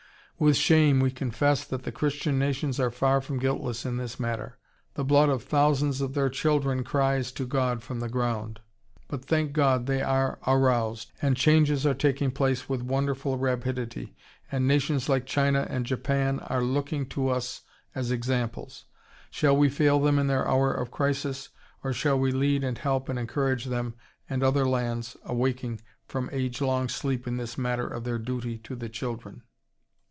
With shame we confess that the Christian nations are far from guiltless in this matter, the blood of thousands of their children cries to God from the ground. But, thank God, they are aroused, and changes are taking place with wonderful rapidity, and nations like China and Japan are looking to us as examples. Shall we fail them in their hour of crisis, or shall we lead and help and encourage them and other lands awaking from age long sleep in this matter of their duty to the children?